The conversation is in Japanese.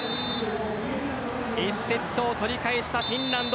１セットを取り返したフィンランド。